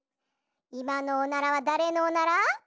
いまのおならはだれのおなら？